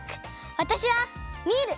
わたしはミール！